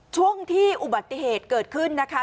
ช่วงที่อุบัติเหตุเกิดขึ้นนะคะ